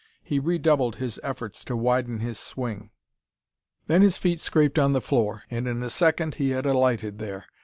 He redoubled his efforts to widen his swing. Then his feet scraped on the floor, and in a second he had alighted there.